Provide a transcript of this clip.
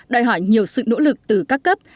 đòi hỏi nhiều sự nỗ lực từ các cấp